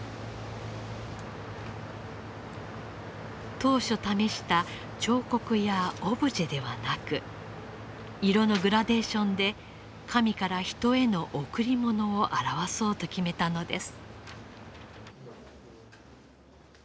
当初試した彫刻やオブジェではなく色のグラデーションで神から人への贈り物を表そうと決めたのです。